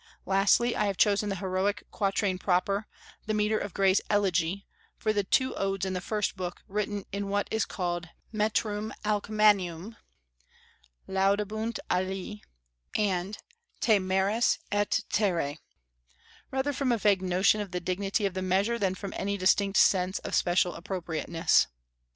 Lastly, I have chosen the heroic quatrain proper, the metre of Gray's "Elegy," for the two Odes in the First Book written in what is called the Metrum Alcmanium, "Laudabunt alii," and "Te maris et terrae," rather from a vague notion of the dignity of the measure than from any distinct sense of special appropriateness.